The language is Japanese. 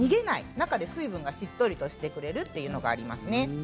中で水分がしっとりしてくれるというのはありますね。